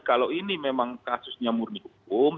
kalau ini memang kasusnya murni hukum